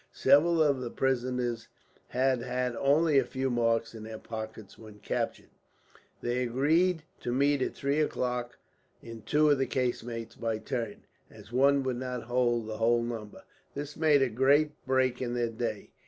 Several of the prisoners had had only a few marks in their pockets when captured. They agreed to meet at three o'clock, in two of the casemates by turn, as one would not hold the whole number. This made a great break in their day.